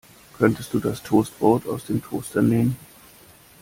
Könntest du das Toastbrot aus dem Toaster nehmen.